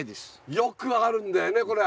よくあるんだよねこれは。